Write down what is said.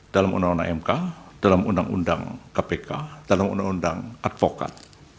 dalam undang undang mk dalam undang undang kpk dalam undang undang advokat